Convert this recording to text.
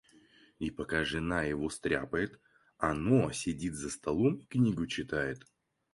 И пока жена его стряпает, оно сидит за столом и книгу читает.